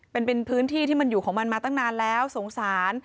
เป็นพื้นที่ที่มันอยู่ของมันมาตั้งนานแล้วสงสาร